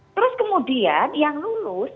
terus kemudian yang lulus